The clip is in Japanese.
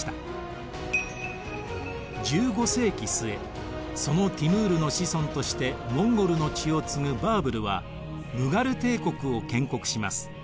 １５世紀末そのティムールの子孫としてモンゴルの血を継ぐバーブルはムガル帝国を建国します。